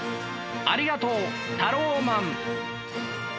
ありがとうタローマン！